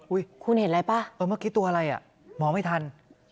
คุณเห็นอะไรป่ะเออเมื่อกี้ตัวอะไรอ่ะมองไม่ทัน